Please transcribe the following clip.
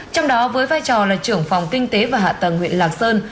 trong đó với vai trò là trưởng phòng kinh tế và hạ tầng huyện lạc sơn